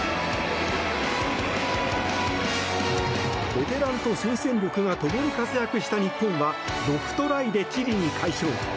ベテランと新戦力が共に活躍した日本は６トライでチリに快勝。